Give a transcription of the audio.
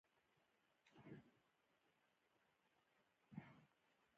سیکهان لاهور او ملتان نیولي ول.